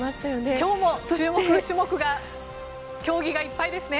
今日も注目競技がいっぱいですね。